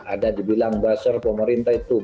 ada dibilang buzzer pemerintah itu